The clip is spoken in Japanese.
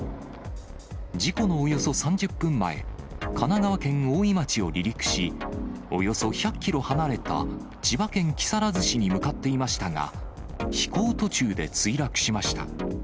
事故のおよそ３０分前、神奈川県大井町を離陸し、およそ１００キロ離れた千葉県木更津市に向かっていましたが、飛行途中で墜落しました。